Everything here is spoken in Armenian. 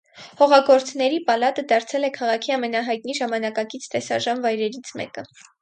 Հողագործների պալատը դարձել է քաղաքի ամենահայտնի ժամանակակից տեսարժան վայրերից մեկը։